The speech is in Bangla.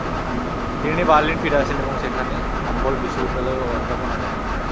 তিনি বার্লিনে ফিরে আসেন এবং সেখানে হুম্বোল্ট বিশ্ববিদ্যালয়ে অধ্যাপনা করেন।